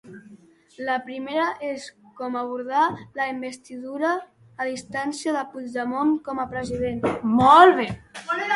La primera és com abordar la investidura a distància de Puigdemont com a president.